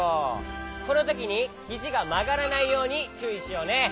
このときにひじがまがらないようにちゅういしようね。